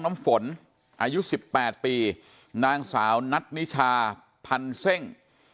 น้ำฝนอายุ๑๘ปีนางสาวนัทนิชาพันเซ่ง